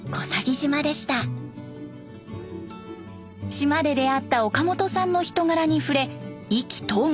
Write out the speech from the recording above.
島で出会った岡本さんの人柄に触れ意気投合。